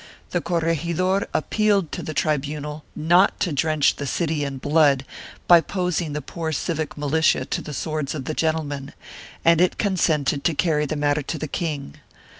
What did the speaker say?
The corregidor appealed to the tribunal not to drench the city in blood by exposing the poor civic militia to the swords of the gentlemen, and it consented to carry the matter to the king.